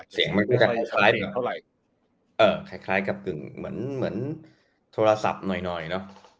เสียงมันคล้ายกับกึ่งเหมือนโทรศัพท์หน่อยเนาะ